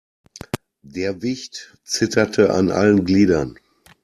Der Wicht zitterte an allen Gliedern.